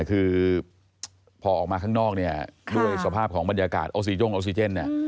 คือพอออกมาข้างนอกเนี่ยด้วยสภาพของบรรยากาศโอซีโจ้งออกซิเจนเนี่ย